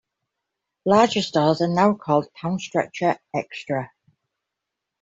Larger stores are now called Poundstretcher Extra.